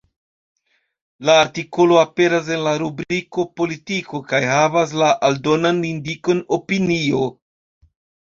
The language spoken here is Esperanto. La artikolo aperas en la rubriko “Politiko” kaj havas la aldonan indikon “Opinio”.